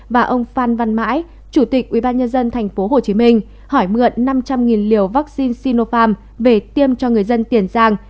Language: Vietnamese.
và ông phan văn mãi chủ tịch ủy ban nhân dân tp hcm hỏi mượn năm trăm linh liều vaccine sinopharm về tiêm cho người dân tiền giang